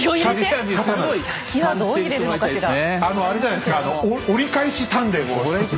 あのあれじゃないですか折り返し鍛錬を。